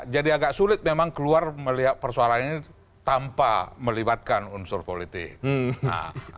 jadi agak sulit memang keluar melihat persoalan ini tanpa melibatkan unsur politik